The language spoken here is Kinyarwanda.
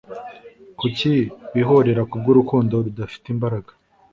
Kuki wihorera kubwurukundo rudafite imbaraga